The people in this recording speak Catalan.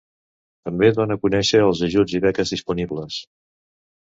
També dona a conèixer els ajuts i beques disponibles.